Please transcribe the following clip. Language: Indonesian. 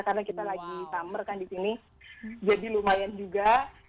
karena kita lagi summer kan di sini jadi lumayan juga